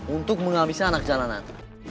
untuk menghabiskan anak jalanan